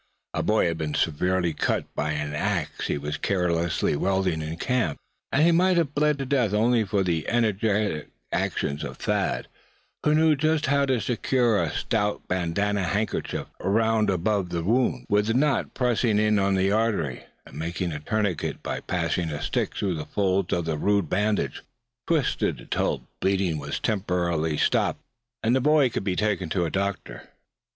A boy had been severely cut by an ax he was carelessly wielding in camp; and might have bled to death only for the energetic actions of Thad, who knew just how to secure a stout bandanna handkerchief around above the wound, with the knot pressing on the artery; and making a tourniquet by passing a stick through the folds of the rude bandage, twist until the bleeding was temporarily stopped, and the boy could be taken to a doctor.